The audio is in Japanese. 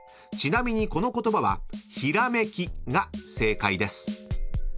［ちなみにこの言葉は「ひらめき」が正解です］